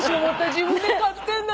自分で買ってんだ。